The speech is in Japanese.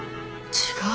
違う！